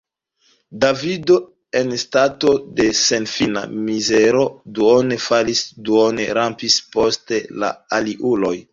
Davido en stato de senfina mizero duone falis, duone rampis post la aliuloj.